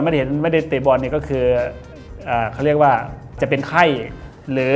ไม่ได้เห็นไม่ได้เตะบอลนี่ก็คือ